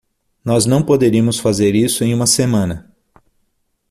Nós não poderíamos fazer isso em uma semana!